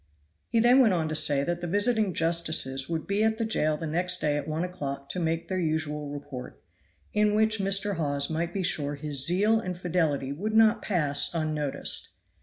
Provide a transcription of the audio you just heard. He then went on to say that the visiting justices would be at the jail the next day at one o'clock to make their usual report, in which Mr. Hawes might be sure his zeal and fidelity would not pass unnoticed.